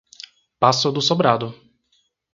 Passo do Sobrado